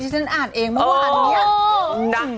เจ๋ยด้อย